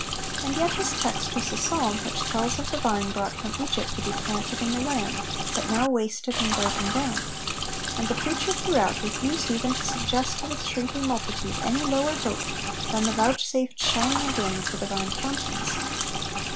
And yet his text was the Psalm which tells of the vine brought from Egypt to be planted in the land, but now wasted and broken down; and the preacher throughout refused even to suggest to the shrinking multitude any lower hope than the vouchsafed shining again of the Divine countenance.